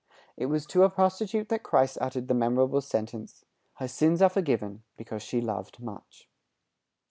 It was to a prostitute that Christ uttered the memorable sentence, "Her sins are forgiven because she loved much."